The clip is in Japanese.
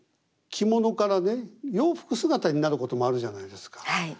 着物からね洋服姿になることもあるじゃないですか。